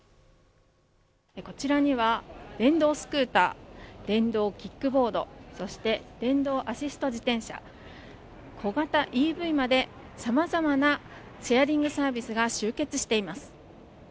こちらには電動スクーター電動キックボードそして電動アシスト自転車小型ＥＶまでさまざまなシェアリングサービスが集結しています。